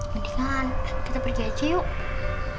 jadi kan kita pergi aja yuk